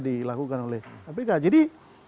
dilakukan oleh kpk jadi